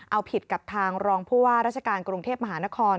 เอาผิดกับทางรองผู้ว่าราชการกรุงเทพมหานคร